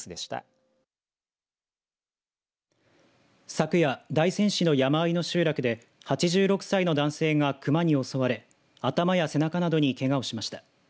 昨夜、大仙市の山あいの集落で８６歳の男性が熊に襲われ頭や背中などにけがをしました。